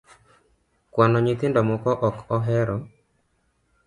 Kwano nyithindo moko ok ohero